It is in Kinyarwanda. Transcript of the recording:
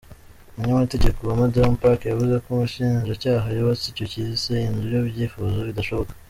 Umunyamategeko wa Madamu Park yavuze ko umushinjacyaha yubatse icyo yise "inzu y'ibyifuzo bidashoboka".